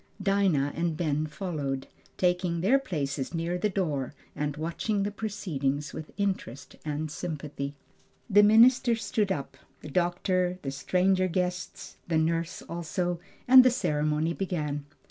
Dinah and Ben followed, taking their places near the door and watching the proceedings with interest and sympathy. The minister stood up, the doctor, the stranger guests, the nurse also, and the ceremony began.